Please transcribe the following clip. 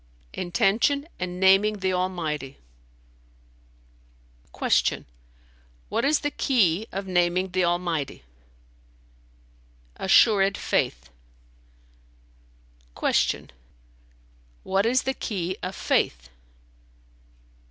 "Intention and naming the Almighty." Q "What is the key of naming the Almighty?" "Assured faith." Q "What is the key of faith?"